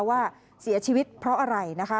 ว่าเสียชีวิตเพราะอะไรนะคะ